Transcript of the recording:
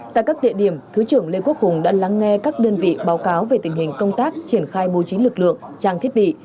tại các địa điểm thứ trưởng lê quốc hùng đã lắng nghe các đơn vị báo cáo về tình hình công tác triển khai bố trí lực lượng trang thiết bị